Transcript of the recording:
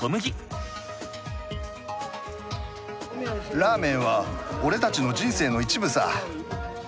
ラーメンは俺たちの人生の一部さ。